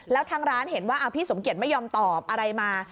แล้วทางร้านเห็นว่าพี่สมเกียจไม่ยอมตอบอะไรมา